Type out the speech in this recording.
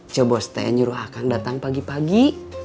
cebos teh nyuruh akang datang pagi pagi